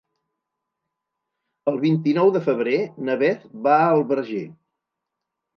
El vint-i-nou de febrer na Beth va al Verger.